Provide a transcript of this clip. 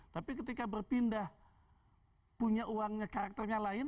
tapi ketika berpindah punya uangnya karakternya lain